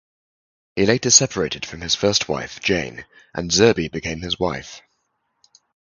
He later separated from his first wife, Jane, and Zerby became his wife.